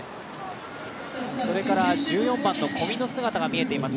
それから１４番の小見の姿が見えています。